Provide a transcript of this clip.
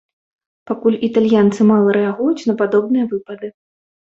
Пакуль італьянцы мала рэагуюць на падобныя выпады.